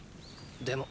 でも